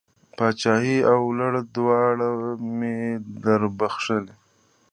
پاچهي او لور دواړه مې در بښلې.